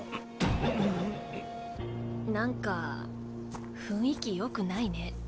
何か雰囲気よくないね。